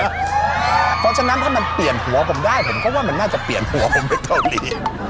เพราะฉะนั้นถ้ามันเปลี่ยนหัวผมได้ผมก็ว่ามันน่าจะเปลี่ยนหัวผมไปเกาหลี